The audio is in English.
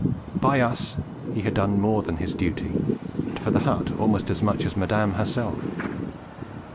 By us he had done more than his duty, and for the hut almost as much as Madame herself.